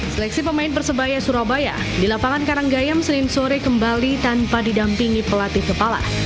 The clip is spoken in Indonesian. seleksi pemain persebaya surabaya di lapangan karanggayam senin sore kembali tanpa didampingi pelatih kepala